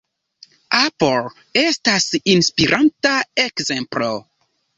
Apple estas inspiranta ekzemplo.